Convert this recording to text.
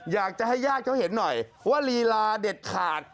อยากจะให้ญาติเขาเห็นหน่อยว่าลีลาเด็ดขาด